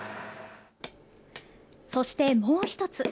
そしてもう１つ。